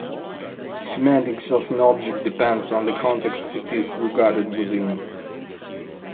Semantics of an object depends on the context it is regarded within.